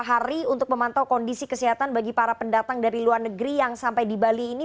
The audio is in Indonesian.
hari untuk memantau kondisi kesehatan bagi para pendatang dari luar negeri yang sampai di bali ini